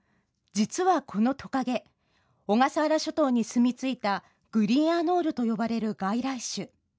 実は、このトカゲ小笠原諸島にすみ着いたグリーンアノールと呼ばれる外来種。